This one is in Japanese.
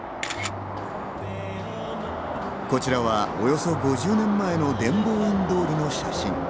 こちらはおよそ５０年前の伝法院通りの写真。